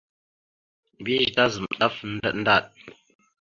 Mbiyez tazam ɗaf ndaɗ ndaɗ.